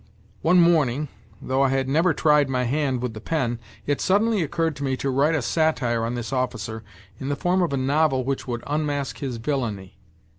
One morning, though I had never tried my hand with the pen, it suddenly occurred to me to write a satire on this officer in the form of a novel which would unmask his villainy.